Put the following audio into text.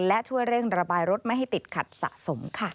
และช่วยเร่งระบายรถไม่ให้ติดขัดสะสมค่ะ